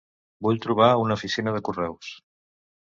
Vull trobar una oficina de correus.